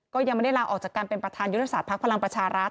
ก็ยังไม่ได้ลาออกจากการเป็นประธานยุทธศาสตภักดิ์พลังประชารัฐ